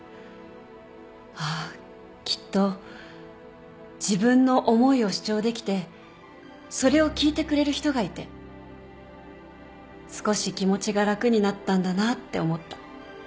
ああきっと自分の思いを主張できてそれを聞いてくれる人がいて少し気持ちが楽になったんだなって思った。